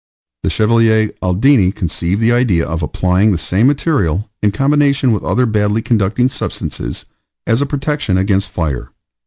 The Chevalier Aldini conceived the idea of applying the same material, in combination with other badly conducting substances, as a protection against fire.